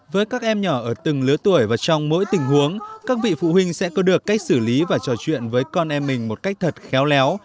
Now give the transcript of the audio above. với các em nhỏ ở từng lứa tuổi và trong mỗi tình huống các vị phụ huynh sẽ có được cách xử lý và trò chuyện với con em mình một cách thật khéo léo